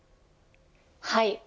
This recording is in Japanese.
はい。